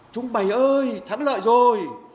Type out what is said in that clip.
chúng mày ơi thắng lợi rồi